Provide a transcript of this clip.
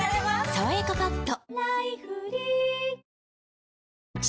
「さわやかパッド」